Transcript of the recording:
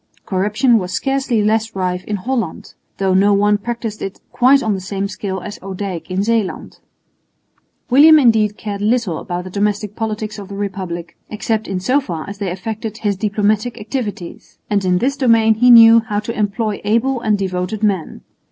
Corruption was scarcely less rife in Holland, though no one practised it quite on the same scale as Odijk in Zeeland. William indeed cared little about the domestic politics of the Republic, except in so far as they affected his diplomatic activities; and in this domain he knew how to employ able and devoted men.